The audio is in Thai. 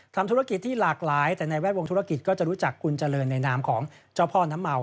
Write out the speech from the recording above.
ทำธุรกิจที่หลากหลายแต่ในแวดวงธุรกิจก็จะรู้จักคุณเจริญในนามของเจ้าพ่อน้ำเมา